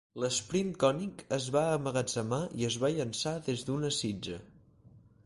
L'Sprint cònic es va emmagatzemar i es va llançar des d'una sitja.